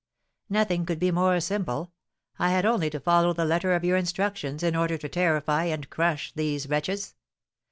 "Nothing could be more simple. I had only to follow the letter of your instructions in order to terrify and crush these wretches.